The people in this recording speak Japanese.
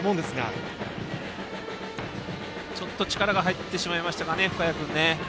深谷君、ちょっと力が入ってしまいましたかね。